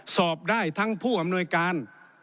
สอบได้ทั้งผู้อำนวยการ